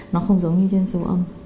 nó không giống như trên siêu âm